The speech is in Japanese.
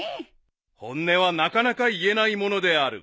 ［本音はなかなか言えないものである］